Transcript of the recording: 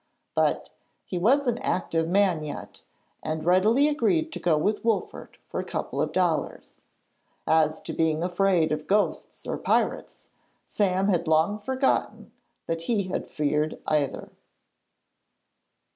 But, he was an active man yet, and readily agreed to go with Wolfert for a couple of dollars. As to being afraid of ghosts or pirates, Sam had long forgotten that he had feared either.